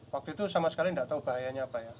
waktu itu sama sekali tidak tahu bahayanya apa ya